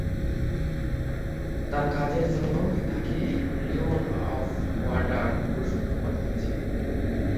তার কাজের জন্য, তাকে "লিওন অব অর্ডার" পুরস্কৃত করা হয়েছিল।